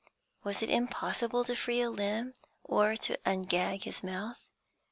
Was it impossible to free a limb, or to ungag his mouth?